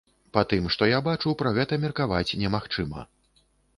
Па тым, што я бачу, пра гэта меркаваць немагчыма.